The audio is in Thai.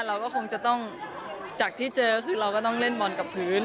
เราก็คงจะต้องจากที่เจอคือเราก็ต้องเล่นบอลกับพื้น